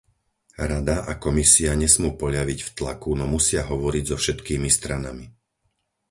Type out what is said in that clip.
Rada a Komisia nesmú poľaviť v tlaku, no musia hovoriť so všetkými stranami.